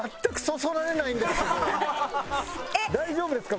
大丈夫ですか？